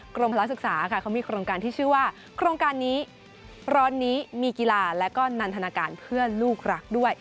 กรมพลักษึกษาค่ะเขามีโครงการที่ชื่อว่าโครงการนี้ร้อนนี้มีกีฬาและก็นันทนาการเพื่อลูกรักด้วย